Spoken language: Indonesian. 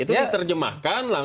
itu diterjemahkan langsung